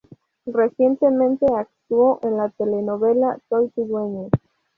Recientemente actuó en la telenovela Soy tu dueña.